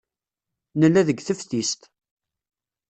Nella deg teftist.